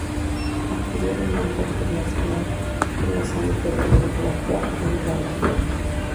Adquirió renombre internacional en los ámbitos de la hidrología e hidráulica.